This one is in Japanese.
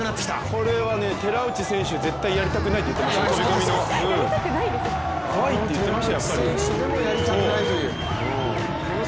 これは寺内選手、絶対やりたくないって言ってました、飛込の。